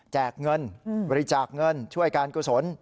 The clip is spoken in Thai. เงินบริจาคเงินช่วยการกุศล